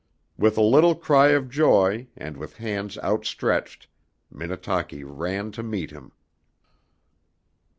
With a little cry of joy and with hands outstretched Minnetaki ran to meet him.